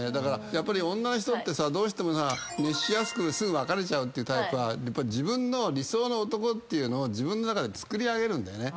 やっぱり女の人ってどうしてもさ熱しやすくすぐ別れちゃうっていうタイプは自分の理想の男っていうのを自分の中で作り上げるんだよね。